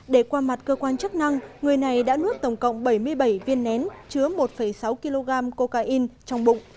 để qua mặt cơ quan chức năng người này đã nuốt tổng cộng bảy mươi bảy viên nén chứa một sáu kg cocaine trong bụng